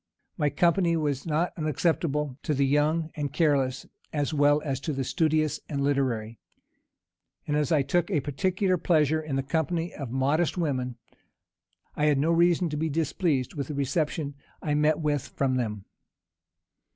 My company was not unacceptable to the young and careless, as well as to the studious and literary; and as I took a particular pleasure in the company of modest women, I had no reason to be displeased with the reception I met with from them.